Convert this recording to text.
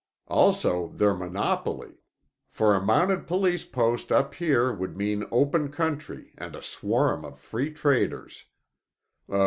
Also their monopoly—for a Mounted Police post up here would mean open country, and a swarm of free traders.